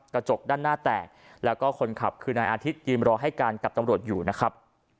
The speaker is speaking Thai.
กระจกด้านหน้าแตกแล้วก็คนขับคือนายอาทิตยืนรอให้การกับตำรวจอยู่นะครับ